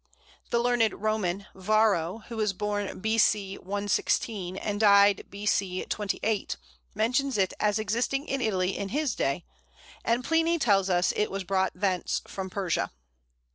The learned Roman, Varro, who was born B.C. 116, and died B.C. 28, mentions it as existing in Italy in his day; and Pliny tells us it was brought thence from Persia.